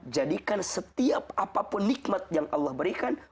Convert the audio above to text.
jadikan setiap apapun nikmat yang allah berikan